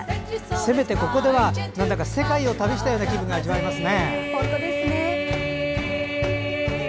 せめてここでは世界を旅した気分が味わえますね。